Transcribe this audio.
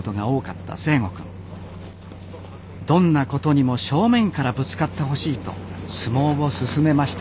どんなことにも正面からぶつかってほしいと相撲を勧めました